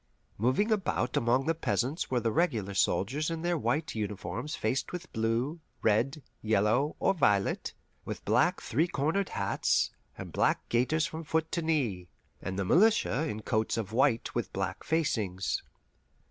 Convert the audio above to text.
Moving about among the peasants were the regular soldiers in their white uniforms faced with blue, red, yellow, or violet, with black three cornered hats, and black gaiters from foot to knee, and the militia in coats of white with black facings.